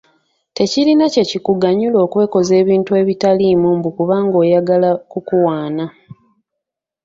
Tekirina kye kikuganyula okwekoza ebintu ebitaliimu mbu kubanga oyagala kukuwaana.